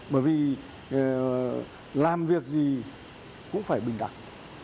bởi vì làm việc gì cũng phải bình đẳng